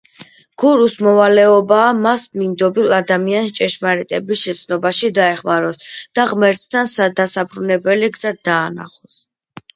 გურუს მოვალეობაა, მას მინდობილ ადამიანს ჭეშმარიტების შეცნობაში დაეხმაროს და ღმერთთან დასაბრუნებელი გზა დაანახოს.